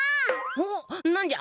おっなんじゃ？